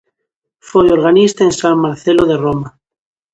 Foi organista en San Marcelo de Roma.